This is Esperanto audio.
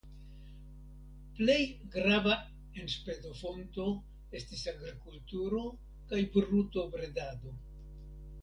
Plej grava enspezofonto estis agrikulturo kaj brutobredado.